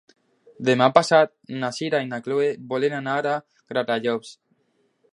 Demà passat na Sira i na Chloé volen anar a Gratallops.